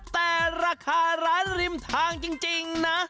แต่ราคาร้านริมทางจริงนะ